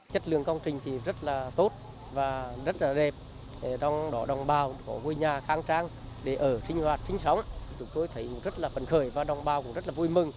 chất lượng công trình thì rất là tốt và rất là đẹp trong đó đồng bào có ngôi nhà khang trang để ở sinh hoạt sinh sống chúng tôi thấy rất là phấn khởi và đồng bào cũng rất là vui mừng